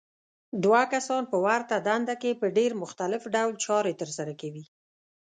دوه کسان په ورته دنده کې په ډېر مختلف ډول چارې ترسره کوي.